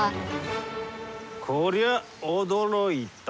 こりゃ驚いた。